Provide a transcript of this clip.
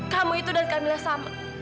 kamu itu dan kamilah sama